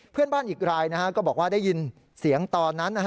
เพื่อนบ้านอีกรายก็บอกว่าได้ยินเสียงตอนนั้น